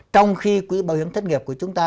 trong khi quỹ bảo hiểm thất nghiệp của chúng ta